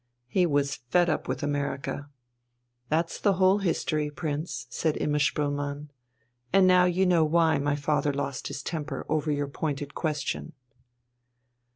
He was fed up with America. That's the whole history, Prince," said Imma Spoelmann, "and now you know why my father lost his temper over your pointed question."